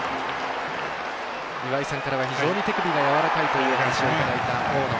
岩井さんからは非常に手首がやわらかいというお話をいただいた大野。